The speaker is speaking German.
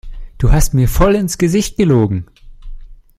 Du hast mir voll ins Gesicht gelogen!